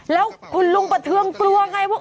แล้วคุณลุงประเทืองกลัวไงว่า